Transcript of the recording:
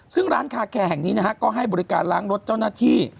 ซึ่งร้านคาแคร์แห่งนี้นะฮะก็ให้บริการล้างรถเจ้าหน้าที่